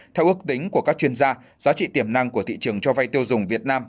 theo ước tính của các chuyên gia giá trị tiềm năng của thị trường cho vay tiêu dùng việt nam